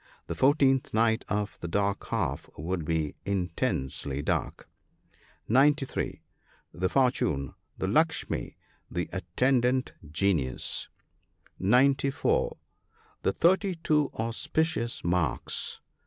The fourteenth night of the dark half would be intensely dark. (93.) The fortune. — The "Lukshmi," the attendant genius. (94 ) The thirty two auspicious marks.